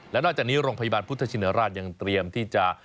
และนอกจากนี้โรงพยาบาลพุทธชินราชยังเตรียมที่จะ